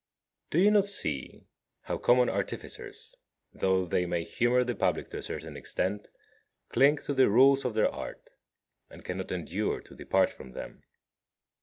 35. Do you not see how common artificers, though they may humour the public to a certain extent, cling to the rules of their art, and cannot endure to depart from them?